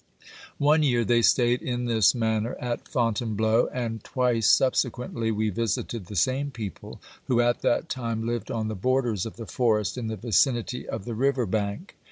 One year they stayed in this manner at Fontainebleau, and twice subsequently we visited the same people, who at that time lived on the borders of the forest in the vicinity of the river bank.